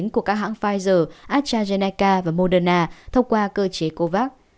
của các hãng pfizer astrazeneca và moderna thông qua cơ chế covax